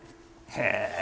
へえ！